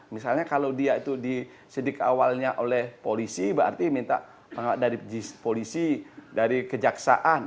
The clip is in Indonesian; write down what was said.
misalnya kalau dia itu disidik awalnya oleh polisi berarti minta dari polisi dari kejaksaan